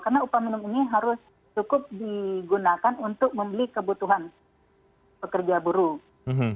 karena upah minimum ini harus cukup digunakan untuk membeli kebutuhan pekerja buruh